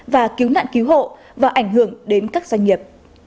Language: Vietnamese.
và cứu nạn cứu hộ và ảnh hưởng đến các doanh nghiệp